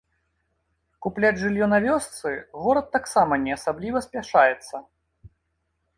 Купляць жыллё на вёсцы горад таксама не асабліва спяшаецца.